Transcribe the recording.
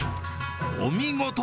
お見事。